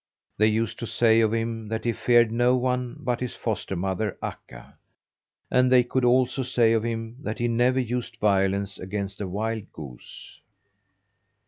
They used to say of him that he feared no one but his foster mother, Akka. And they could also say of him that he never used violence against a wild goose.